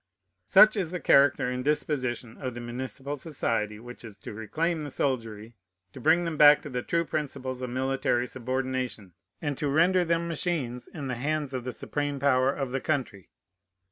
Such is the character and disposition of the municipal society which is to reclaim the soldiery, to bring them back to the true principles of military subordination, and to lender them machines in the hands of the supreme power of the country!